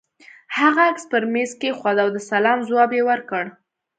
هغه عکس پر مېز کېښود او د سلام ځواب يې ورکړ.